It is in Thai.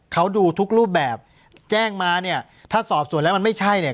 เขาดูทุกรูปแบบแจ้งมาเนี่ยถ้าสอบส่วนแล้วมันไม่ใช่เนี่ย